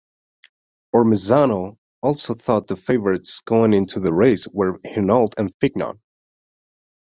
Ormezzano also thought the favorites going into the race were Hinault and Fignon.